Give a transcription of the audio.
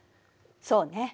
そうね。